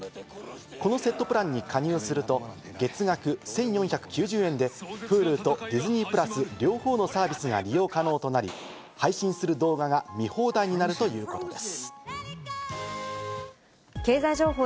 このセットプランに加入すると、月額１４９０円でＨｕｌｕとディズニープラス、両方のサービスが利用可能となり、配信する動画が見放題になるということです。